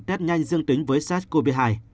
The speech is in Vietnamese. tết nhanh dương tính với sars cov hai